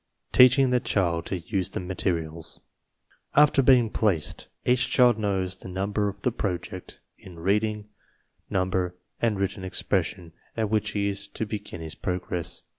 TEACHING THE CHILD TO USE THE MATERIALS After being "placed," each child knows the number of the project in reading, number, and written expres sion at which he is to begin his progress.